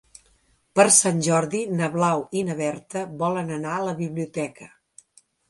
Per Sant Jordi na Blau i na Berta volen anar a la biblioteca.